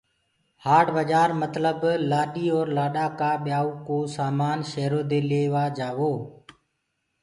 هآٽ بآجآر متلب لآڏي اور لآڏآ ڪآ ٻيآيوٚ ڪو سآمآن شيرو دي لي وآ جآوو۔